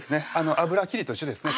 油切りと一緒ですね